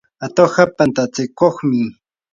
atuqqa pantatsikuqmi.